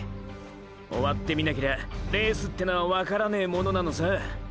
終わってみなけりゃレースてのはワカらねェものなのさ。